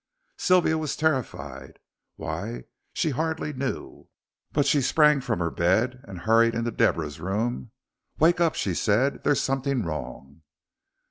Sylvia was terrified. Why, she hardly knew: but she sprang from her bed and hurried into Deborah's room. "Wake up," she said, "there's something wrong."